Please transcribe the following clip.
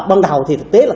ban đầu thì thực tế là